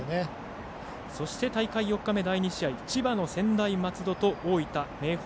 そして大会４日目第２試合千葉の専大松戸と、大分の明豊。